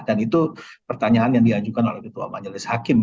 dan itu pertanyaan yang diajukan oleh ketua majelis hakim